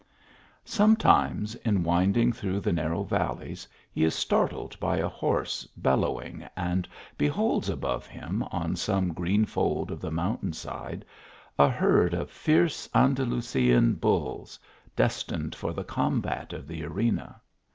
Sometimes, in wind ing through the narrow valleys, he is startled by a hoarse bellowing, and beholds above him, on some green fold of the mountain side, a herd of fierce An dalusian bulls, destined for the combat of the arena.